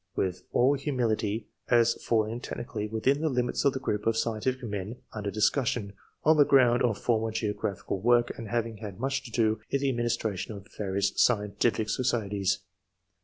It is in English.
with all humility, as falling technically within the limits of the group of scientific men un der discussion, on the ground of former geo graphical work, and having had much to do in the administration of various scientific societies.